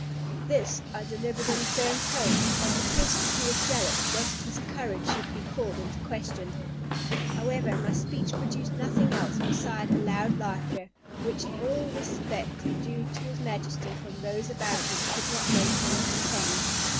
This I delivered in a firm tone, like a person who was jealous lest his courage should be called in question. However, my speech produced nothing else beside a loud laughter, which all the respect due to his Majesty from those about him could not make them contain.